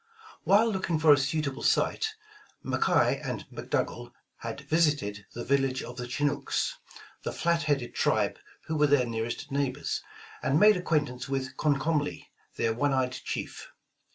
While looking for a suitable site, McKay and Mc Dougal had visited the village of the Chinooks, the flat headed tribe who were their nearest neighbors, and made acquaintance with Comcomly, their one eyed chief.